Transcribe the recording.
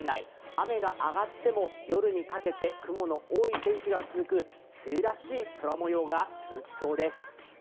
雨が上がっても夜にかけて雲の多い天気が続く、梅雨らしい空もようが続きそうです。